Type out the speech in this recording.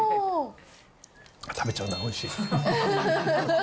食べちゃうな、おいしい。